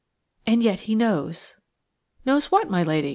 . and yet he knows." "Knows what, my lady?"